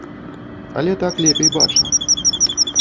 Але так лепей бачна.